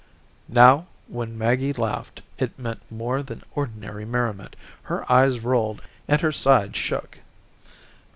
Now when Maggie laughed it meant more than ordinary merriment. Her eyes rolled and her sides shook.